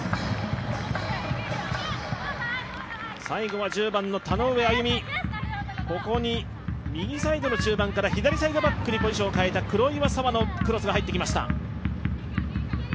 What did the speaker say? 最後は１０番の田上歩実、ここに右サイドの中盤から左サイドバックにポジションを代えた黒岩沙羽のクロスが入ってきました。